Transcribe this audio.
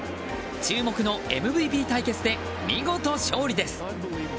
注目のＭＶＰ対決で見事勝利です。